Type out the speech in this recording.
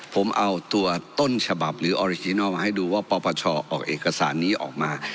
ผมเอาตัวต้นฉบับหรือออริจินัลมาให้ดูว่าปปชออกเอกสารนี้ออกมา